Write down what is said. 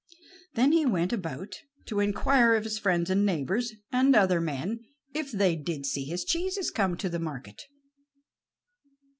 Then he went about to inquire of his friends and neighbors, and other men, if they did see his cheeses come to the market.